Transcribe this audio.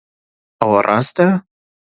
ئەوە ڕاستە؟